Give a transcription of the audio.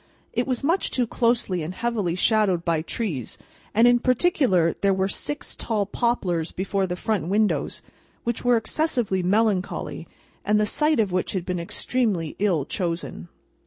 It was much too closely and heavily shadowed by trees, and, in particular, there were six tall poplars before the front windows, which were excessively melancholy, and the site of which had been extremely ill chosen.